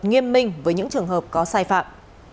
nghiêm minh với những trường hợp có sai phạm